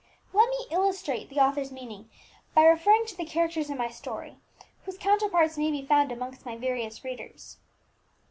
Let me illustrate the author's meaning by referring to the characters in my story, whose counterparts may be found amongst my various readers.